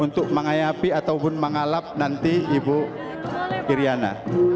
untuk mengayapi ataupun mengalap nanti ibu iryana